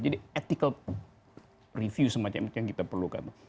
jadi ethical review semacam itu yang kita perlukan